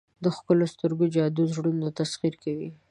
د ښکلو سترګو جادو زړونه تسخیر کوي.